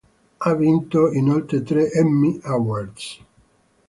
Ha vinto inoltre tre Emmy Awards.